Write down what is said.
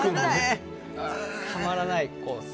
たまらないです。